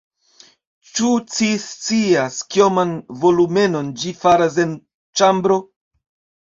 Ĉu ci scias, kioman volumenon ĝi faras en ĉambro?